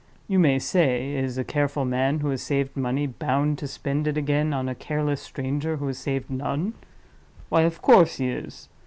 You may say, Is a careful man who has saved money bound to spend it again on a careless stranger who has saved none? Why of course he is!